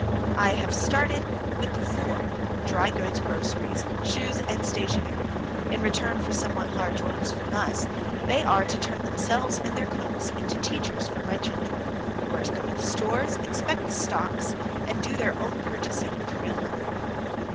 I have started with the four drygoods, groceries, shoes, and stationery. In return for somewhat large orders from us, they are to turn themselves and their clerks into teachers for my children, who are to go to the stores, inspect the stocks, and do their own purchasing with real money.